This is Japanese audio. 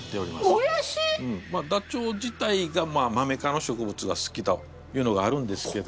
ダチョウ自体がマメ科の植物が好きだというのがあるんですけど。